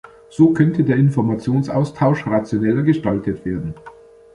So könnte der Informationsaustausch rationeller gestaltet werden.